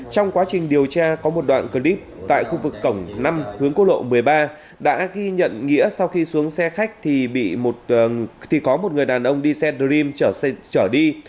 trong quá trình điều tra có một đoạn clip tại khu vực cổng năm hướng cô lộ một mươi ba đã ghi nhận nghĩa sau khi xuống xe khách thì bị có một người đàn ông đi xe dream trở đi